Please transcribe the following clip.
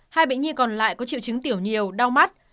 hai bệnh nhi còn lại có triệu chứng tiểu nhiều đau mắt